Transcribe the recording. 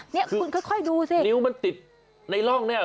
เนี่ยคุณค่อยดูสินิ้วมันติดในร่องเนี่ย